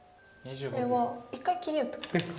これは一回切りを打っときますか。